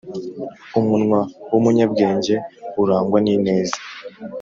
umunwa w’umunyabwenge urangwa n’ineza.